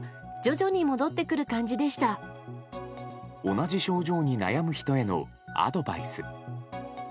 同じ症状に悩む人へのアドバイス。